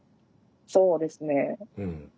そうですね。